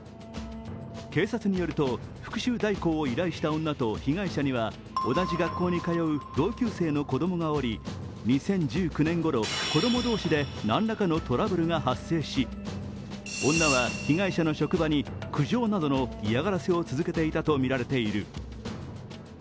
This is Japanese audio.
警察によると、復しゅう代行を依頼した女と被害者には同じ学校に通う同級生の子供がおり２０１９年頃、子供同士で何らかのトラブルが発生し女は被害者の職場に苦情などの嫌がらせを続けていたとみられている。